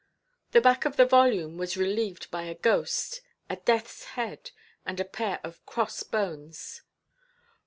The back of the volume was relieved by a ghost, a deathʼs head, and a pair of cross–bones.